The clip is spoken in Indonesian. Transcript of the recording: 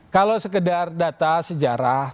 kalau sekedar data sejarah